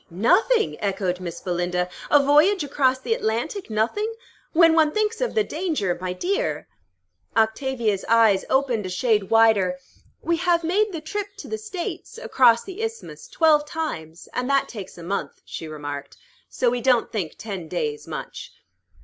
"Nothing!" echoed Miss Belinda. "A voyage across the Atlantic nothing? When one thinks of the danger, my dear" Octavia's eyes opened a shade wider. "We have made the trip to the States, across the Isthmus, twelve times, and that takes a month," she remarked. "So we don't think ten days much."